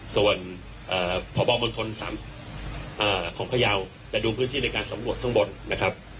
ส่วนเอ่อพบบนพลสำเอ่อของพยาวแต่ดูพื้นที่ในการสำหรับทั้งบนนะครับ